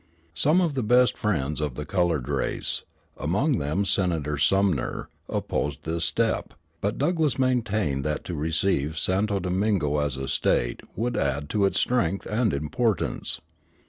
Some of the best friends of the colored race, among them Senator Sumner, opposed this step; but Douglass maintained that to receive Santo Domingo as a State would add to its strength and importance.